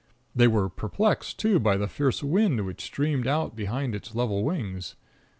They were perplexed, too, by the fierce wind which streamed out behind its level wings.